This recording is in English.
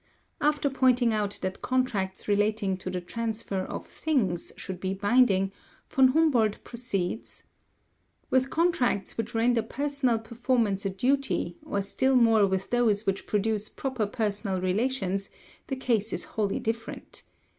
After pointing out that contracts relating to the transfer of things should be binding, Von Humboldt proceeds: "With contracts which render personal performance a duty, or still more with those which produce proper personal relations, the case is wholly different.